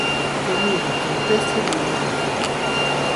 Comida campestre en Vimianzo.